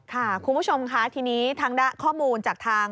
คุณผู้ชมค่ะทีนี้ทางด้านข้อมูลจากทาง